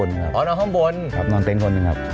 นอนข้างบนครับนอนเต้นคนหนึ่งครับ